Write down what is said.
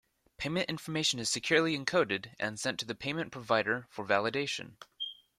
Payment information is securely encoded and sent to the payment provider for validation.